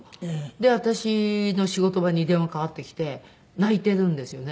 で私の仕事場に電話かかってきて泣いているんですよね。